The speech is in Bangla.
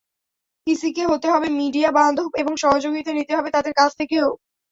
ইসিকে হতে হবে মিডিয়াবান্ধব এবং সহযোগিতা নিতে হবে তাদের কাছ থেকেও।